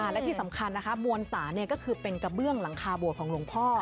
และที่สำคัญนะคะมวลสารก็คือเป็นกระเบื้องหลังคาบวชของหลวงพ่อ